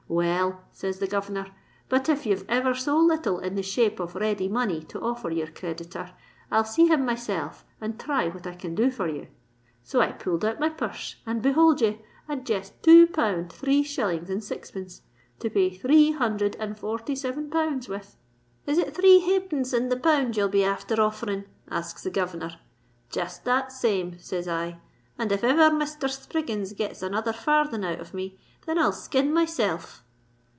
_'—'Well,' says the governor, '_but if you've ever so little in the shape of ready money to offer your creditor, I'll see him myself and thry what I can do for ye._'—So I pulled out my purse; and behold ye! I'd jest two pound three shillings, and sixpence, to pay three hundred and forty seven pounds with.—'Is it three halfpence in the pound ye'll be afther offering?' asks the governor.—'Jest that same,' says I; '_and if ever Misther Spriggins gets another farthing out of me, then I'll skin myself!